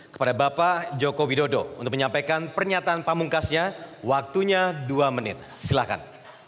kepada bapak joko widodo untuk menyampaikan pernyataan pamungkasnya waktunya dua menit silahkan